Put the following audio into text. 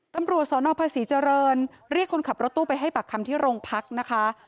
ตำรวจสนภาษีเจริญเรียกคนขับรถตู้ไปให้ปากคำที่โรงพักนะคะ